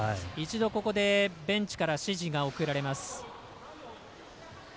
一度、ここでベンチから指示が送られます。